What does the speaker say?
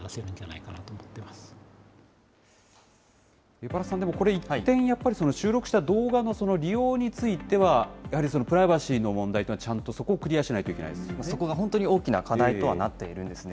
江原さん、これでも、一点、やっぱり収録した動画の利用については、やはりその、プライバシーの問題というのは、ちゃんとそこをクリアしないといけなそこが本当に大きな課題とはなっているんですね。